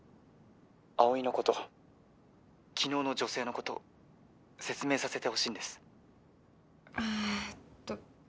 ☎葵のこと昨日の女性のこと☎説明させてほしいんですえっと